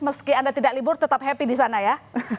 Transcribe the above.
meski anda tidak libur tetap happy di sana ya